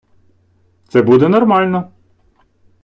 Це буде нормально.